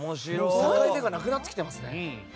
境目がなくなってきていますね。